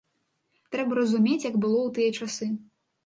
Трэба разумець, як было ў тыя часы.